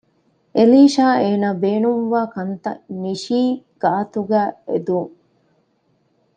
އެލީޝާ އޭނަ ބޭނުންވާ ކަންތަށް ނިޝީ ގާތުގައި އެދުން